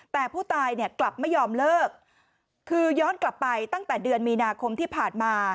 แต่ผู้ตายเนี่ยกลับไม่ยอมเลิกคือย้อนกลับไปตั้งแต่เดือนมีนาคมที่ผ่านมา